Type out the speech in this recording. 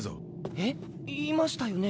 えっ言いましたよね？